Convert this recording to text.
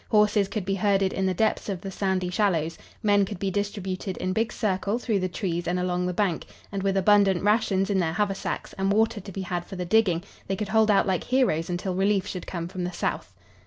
Horses could be herded in the depths of the sandy shallows. Men could be distributed in big circle through the trees and along the bank; and, with abundant rations in their haversacks and water to be had for the digging, they could hold out like heroes until relief should come from the south.